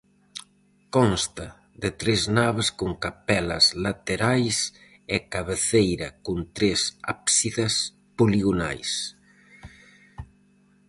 Consta de tres naves con capelas laterais e cabeceira con tres ábsidas poligonais.